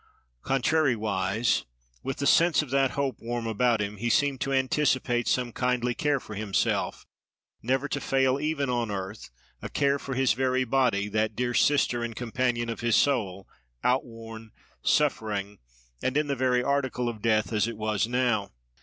Contrariwise, with the sense of that hope warm about him, he seemed to anticipate some kindly care for himself; never to fail even on earth, a care for his very body—that dear sister and companion of his soul, outworn, suffering, and in the very article of death, as it was now.